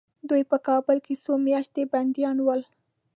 دوی په کابل کې څو میاشتې بندیان ول.